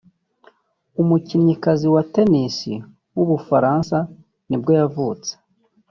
umukinnyikazi wa tennis w’umufaransa nibwo yavutse